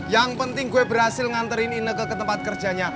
yang penting gue berhasil nganterin ineke ketempat kerjanya